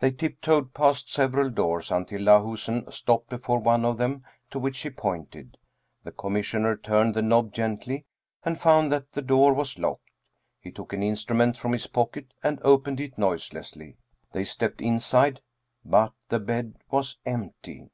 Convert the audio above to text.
They tiptoed past several doors until Lahusen stopped before one of them, to which he pointed. The Commis 26 Dietrich Thedcn sioner turned the knob gently and found that the door was locked. He took an instrument from his pocket and opened it noiselessly. They stepped inside, but the bed was empty.